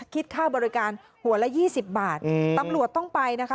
คิดค่าบริการหัวละ๒๐บาทตำรวจต้องไปนะคะ